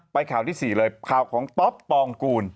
ข่าวที่๔เลยข่าวของป๊อปปองกูล